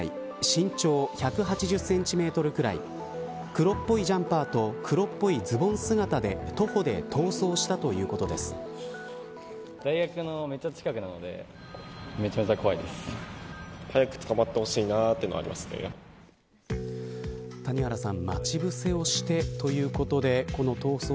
身長１８０センチメートルくらい黒っぽいジャンパーと黒っぽいズボン姿で徒歩で逃走したということです。